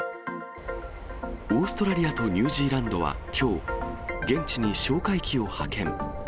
オーストラリアとニュージーランドはきょう、現地に哨戒機を派遣。